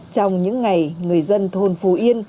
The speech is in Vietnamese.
trong những ngày người dân thôn phú yên